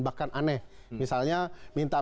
bahkan aneh misalnya minta